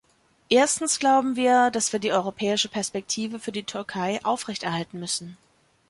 Erstens glauben wir, dass wir die europäische Perspektive für die Türkei aufrechterhalten müssen.